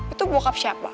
itu bokap siapa